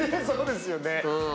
そうですよね。